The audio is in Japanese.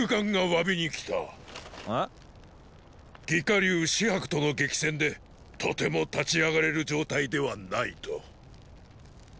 魏火龍紫伯との激戦でとても立ち上がれる状態ではないと。